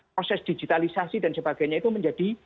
proses digitalisasi dan sebagainya itu menjadi lebih cepat